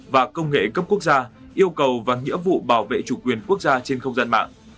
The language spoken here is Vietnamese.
và công nghệ cấp quốc gia yêu cầu và nghĩa vụ bảo vệ chủ quyền quốc gia trên không gian mạng